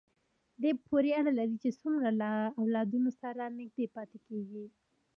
دې پورې اړه لري چې څومره له اولادونو سره نږدې پاتې کېږي.